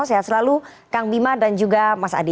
sehat selalu kang bima dan juga mas adi